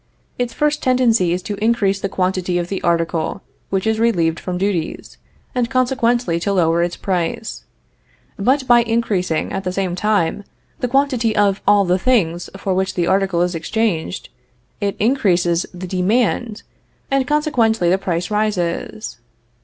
Its first tendency is to increase the quantity of the article which is relieved from duties, and consequently to lower its price. But by increasing, at the same time, the quantity of all the things for which this article is exchanged, it increases the demand, and consequently the price rises.